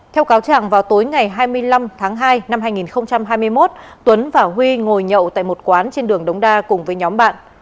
theo cáo trạng vào tối ngày hai mươi năm tháng hai năm hai nghìn hai mươi một tuấn và huy ngồi nhậu tại một quán trên đường đống đa cùng với nhóm bạn